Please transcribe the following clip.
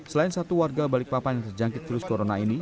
selain satu warga balikpapan yang terjangkit virus corona ini